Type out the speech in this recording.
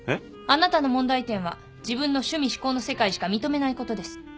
あなたの問題点は自分の趣味嗜好の世界しか認めないことです。